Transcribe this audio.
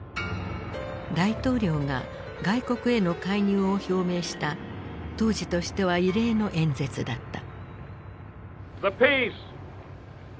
大統領が外国への介入を表明した当時としては異例の演説だった。